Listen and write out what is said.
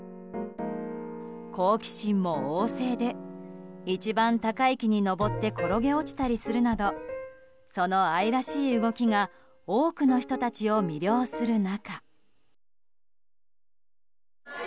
好奇心も旺盛で一番高い木に登って転げ落ちたりするなどその愛らしい動きが多くの人たちを魅了する中。